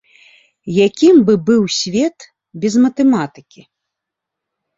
Якім бы быў свет без матэматыкі?